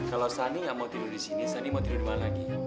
kalau sani yang mau tidur di sini sani mau tidur di mana lagi